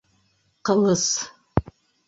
«Ҡылыс»!